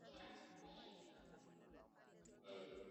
ya kutumwa kwa majeshi ili kumuondoa kwa nguvu kiongozi huyo